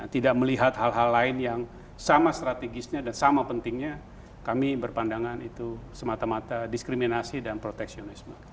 tidak melihat hal hal lain yang sama strategisnya dan sama pentingnya kami berpandangan itu semata mata diskriminasi dan proteksionisme